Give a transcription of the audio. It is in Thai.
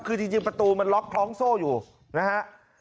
คือจริงประตูมันล็อกคล้องโซ่อยู่นะฮะ